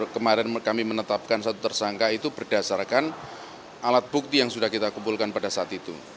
kemarin kami menetapkan satu tersangka itu berdasarkan alat bukti yang sudah kita kumpulkan pada saat itu